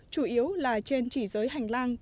chủ yếu là trên chỉ giới hành lý